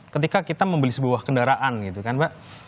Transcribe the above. ketika kita membeli sebuah kendaraan gitu kan mbak